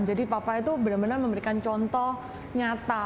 jadi papa itu benar benar memberikan contoh nyata